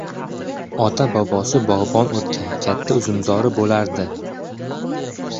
Ota-bobosi bog‘bon o‘tgan. Katta uzumzori bo‘lardi.